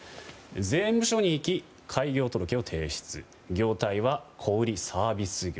税務署に行き、開業届を提出業態は小売り・サービス業。